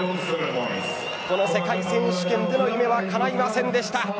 この世界選手権での夢はかないませんでした。